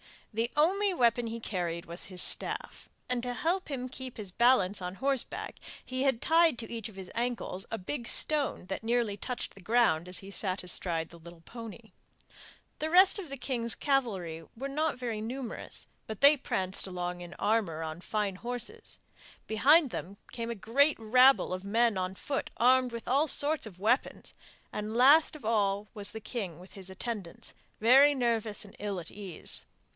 The only weapon he carried was his staff, and to help him to keep his balance on horseback he had tied to each of his ankles a big stone that nearly touched the ground as he sat astride the little pony. The rest of the king's cavalry were not very numerous, but they pranced along in armour on fine horses. Behind them came a great rabble of men on foot armed with all sorts of weapons, and last of all was the king with his attendants, very nervous and ill at ease.